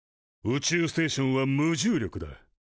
宇宙ステーションは無重力だ。